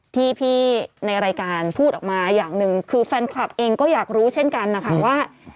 ที่พี่ในรายการพูดออกมาอย่างหนึ่งคือแฟนคลับเองก็อยากรู้เช่นกันนะคะว่า